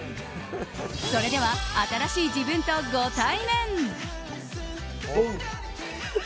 それでは新しい自分とご対面。